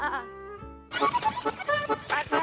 เฮ้ยลูกกลัวแนวพ่อจ๋ากลัวโดนทับจับพ่อ